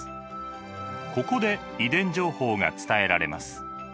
ここで遺伝情報が伝えられます。